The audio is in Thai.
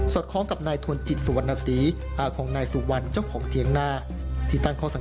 สดคล้องกับนายทวนจิตสุวรรณสีอาของนายสุวรรณเจ้าของเถียงหน้า